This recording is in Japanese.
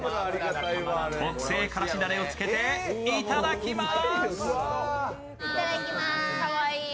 特製からしダレをつけていただきます。